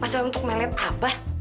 masalah untuk melet abah